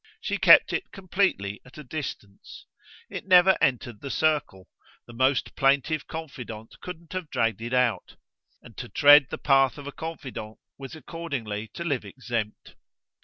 She kept it completely at a distance: it never entered the circle; the most plaintive confidant couldn't have dragged it in; and to tread the path of a confidant was accordingly to live exempt.